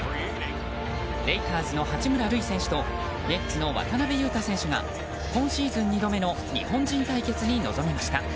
レイカーズの八村塁選手とネッツの渡邊雄太選手が今シーズン２度目の日本人対決に臨みました。